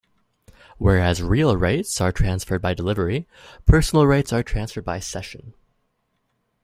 Whereas real rights are transferred by delivery, personal rights are transferred by cession.